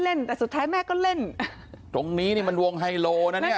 แต่สุดท้ายแม่ก็เล่นตรงนี้นี่มันวงไฮโลนะเนี่ย